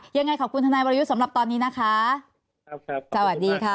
ยังไงขอบคุณทนายวรยุทธ์สำหรับตอนนี้นะคะครับครับสวัสดีค่ะ